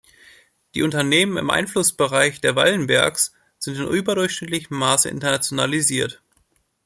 Die Unternehmen im Einflussbereich der Wallenbergs sind in überdurchschnittlichem Maße internationalisiert.